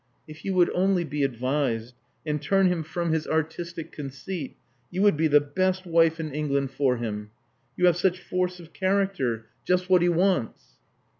If you would only be advised, and turn him from his artistic conceit, you would be the best wife in England for him. You have such force of character — just what he wants."